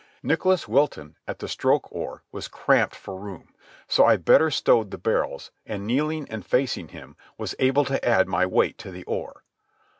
Nicholas Wilton, at the stroke oar, was cramped for room; so I better stowed the barrels, and, kneeling and facing him, was able to add my weight to the oar.